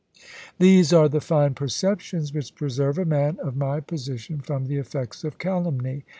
These are the fine perceptions which preserve a man of my position from the effects of calumny.